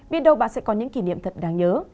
đi đâu bạn sẽ có những kỷ niệm thật đáng nhớ